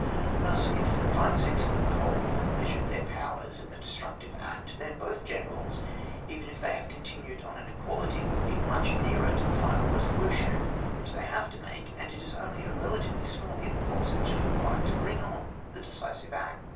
Thus if five sixths of the whole have measured their powers in the des tructive act, then both generals, even if they have continued on an equality, will be much nearer to the final resolution which they have to make, and it is only a relatively small impulse which is re quired to bring on the decisive act.